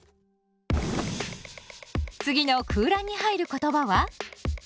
次の空欄に入る言葉は？